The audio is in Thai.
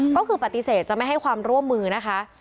ก็คือปฏิเสธจะไม่ให้ความร่วมมือนะคะ